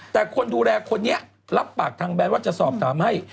แต่คนดูแลคนนี้รับปากทางแนนว่าจะสอบถามให้